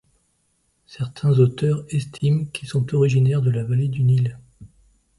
Certains auteurs estiment qu'ils sont originaires de la vallée du Nil.